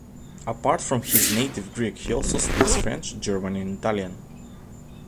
Apart from his native Greek, he also speaks French, German and Italian.